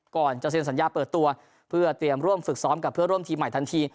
ก่อนจะเซ็นสัญญาเปิดตัวเพื่อเตรียมร่วมฝึกซ้อมกับเพื่อร่วมทีมใหม่ทันที